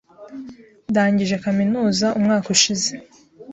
Ndangije kaminuza umwaka ushize.